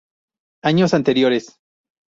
Años anteriores